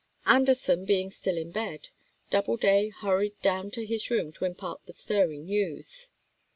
Anderson being still in bed, Doubleday hurried down to his room to impart the stirring news.